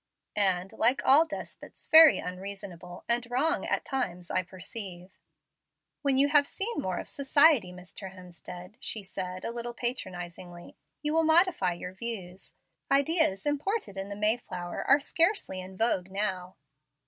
"And, like all despots, very unreasonable; and wrong at times, I perceive." "When you have seen more of society, Mr. Hemstead," she said, a little patronizingly, "you will modify your views. Ideas imported in the Mayflower are scarcely in vogue now."